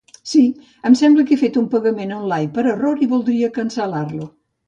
Sí, em sembla que he fet un pagament online per error i voldria cancel·lar-lo.